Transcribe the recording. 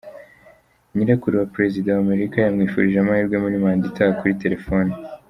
Nyirakuru wa perezinda w’amerika yamwifurije amahirwe muri manda itaha kuri telefoni